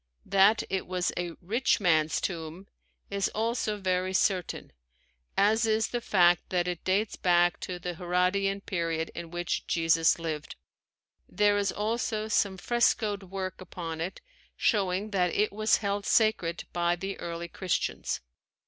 That it was a "rich man's tomb" is also very certain, as is the fact that it dates back to the Herodian period in which Jesus lived. There is also some frescoed work upon it showing that it was held sacred by the early Christians.